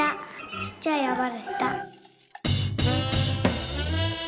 ちっちゃいやまでした」。